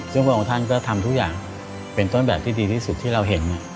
ซึ่งพระองค์ท่านก็ทำทุกอย่างเป็นต้นแบบที่ดีที่สุดที่เราเห็น